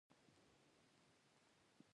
د ډبرو او ودانیو په بڼه ښکاري.